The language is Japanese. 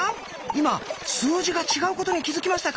今数字が違うことに気付きましたか？